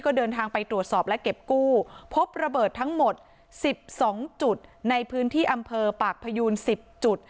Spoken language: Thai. ก็เดินทางไปตรวจสอบและเก็บกู้พบระเบิดทั้งหมด๑๒จุดในพื้นที่อำเภอปากพยูน๑๐จุด